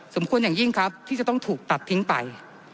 ควรอย่างยิ่งครับที่จะต้องถูกตัดทิ้งไป